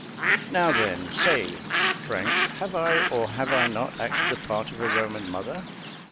"Now then say, Frank, have I, or have I not, acted the part of a Roman mother?